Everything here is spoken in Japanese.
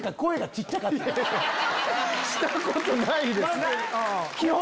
したことないですもん！